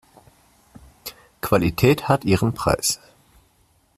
Qualität hat ihren Preis.